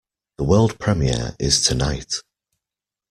The world premiere is tonight!